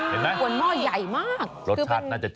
บนหม้อใหญ่มาก